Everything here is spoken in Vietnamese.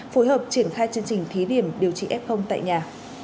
phối hợp triển khai chương trình thí điểm điều trị f tại nhà